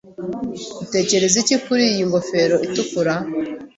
Utekereza iki kuri iyi ngofero itukura?